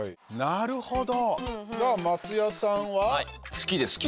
なるほど！